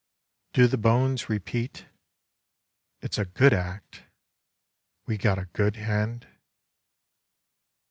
Do the bones repeat: It's a ^00 J act — we got a good hand.